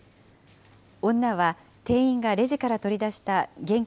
女は店員がレジから取り出した現金